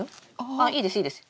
あいいですいいです。